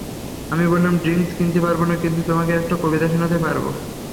আমি বললাম, ড্রিংকস কিনতে পারব না, কিন্তু তোমাকে একটা কবিতা শোনাতে পারব।